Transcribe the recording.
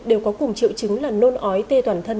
đều có cùng triệu chứng là nôn ói tê toàn thân